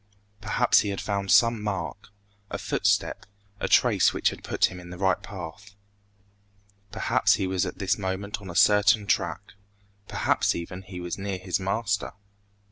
Perhaps he had found some mark, a footstep, a trace which had put him in the right path. Perhaps he was at this moment on a certain track. Perhaps even he was near his master.